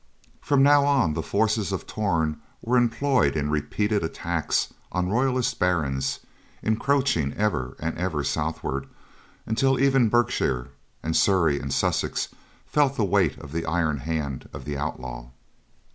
From now on, the forces of Torn were employed in repeated attacks on royalist barons, encroaching ever and ever southward until even Berkshire and Surrey and Sussex felt the weight of the iron hand of the outlaw.